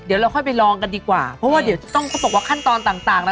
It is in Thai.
เดี๋ยวเราค่อยไปลองกันดีกว่าเพราะว่าเดี๋ยวจะต้องเขาบอกว่าขั้นตอนต่างต่างนะ